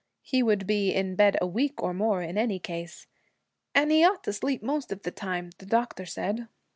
He would be in bed a week or more, in any case, 'and he ought to sleep most of the time, the doctor said.'